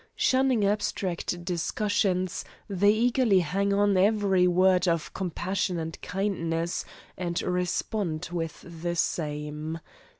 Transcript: Shunning abstract discussions, they eagerly hang on every word of compassion and kindness, and respond with the same.